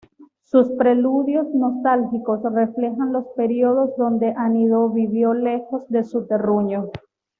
Sus Preludios Nostálgicos reflejan los periodos donde Anido vivió lejos de su terruño.